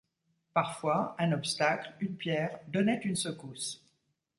Parfois, un obstacle, une pierre, donnait une secousse.